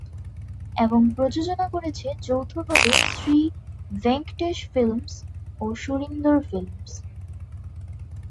এবং প্রযোজনা করেছে যৌথভাবে শ্রী ভেঙ্কটেশ ফিল্মস ও সুরিন্দর ফিল্মস।